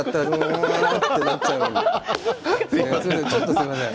すいません